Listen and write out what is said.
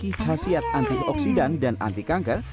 dan memiliki khasiat antioksidan dan anti kanker